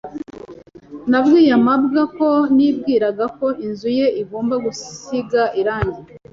Nabwiye mabwa ko nibwiraga ko inzu ye igomba gusiga irangi.